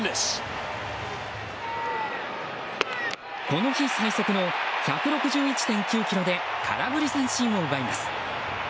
この日最速の１６１．９キロで空振り三振を奪います。